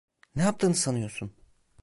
Ne yaptığını sanıyorsun?